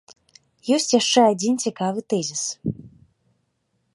Ёсць яшчэ адзін цікавы тэзіс.